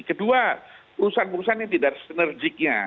kedua perusahaan perusahaan ini tidak synergiknya